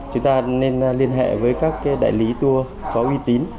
chúng ta nên liên hệ với các đại lý tour có uy tín